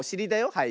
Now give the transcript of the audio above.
はい。